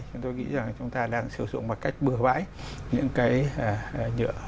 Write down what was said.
chúng tôi nghĩ rằng chúng ta đang sử dụng một cách bừa bãi những cái nhựa